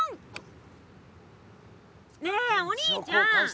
ねえお兄ちゃん！